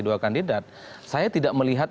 dua kandidat saya tidak melihat